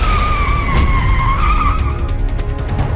ya udah aku nelfon